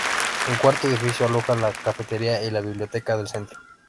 El cuarto edificio, aloja la cafetería y la biblioteca del centro.